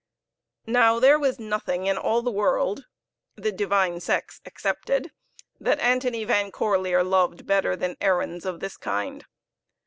Now there was nothing in all the world, the divine sex excepted, that Antony Van Corlear loved better than errands of this kind.